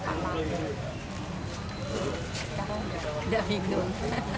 sekarang sudah bingung